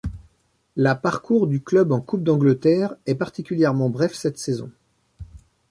La parcours du club en Coupe d'Angleterre est particulièrement bref cette saison.